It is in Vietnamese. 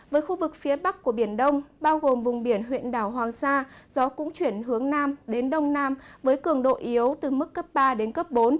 với khu vực phía bắc của biển đông bao gồm vùng biển huyện đảo hoàng sa gió cũng chuyển hướng nam đến đông nam với cường độ yếu từ mức cấp ba đến cấp bốn